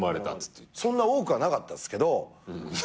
そんな多くはなかったっすけど頂いて。